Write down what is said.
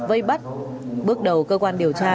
vây bắt bước đầu cơ quan điều tra